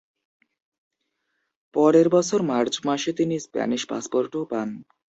পরের বছর মার্চ মাসে তিনি স্প্যানিশ পাসপোর্টও পান।